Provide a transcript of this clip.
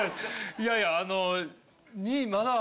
いやいやあのまだ。